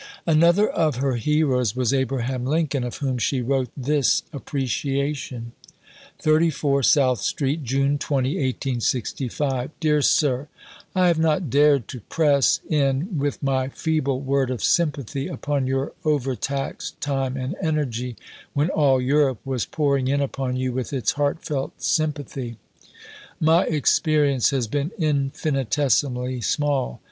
Another of her heroes was Abraham Lincoln, of whom she wrote this appreciation: 34 SOUTH STREET, June 20 . DEAR SIR I have not dared to press in with my feeble word of sympathy upon your over taxed time and energy, when all Europe was pouring in upon you with its heartfelt sympathy. My experience has been infinitesimally small.